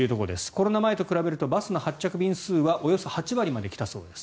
コロナ前と比べるとバスの発着便数はおよそ８割まで来たそうです。